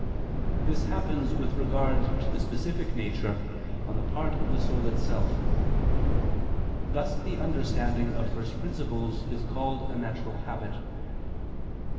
This happens with regard to the specific nature, on the part of the soul itself: thus the understanding of first principles is called a natural habit.